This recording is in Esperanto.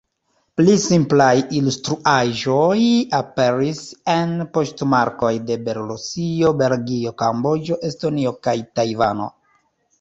Pli simplaj ilustraĵoj aperis en poŝtmarkoj de Belorusio, Belgio, Kamboĝo, Estonio kaj Tajvano.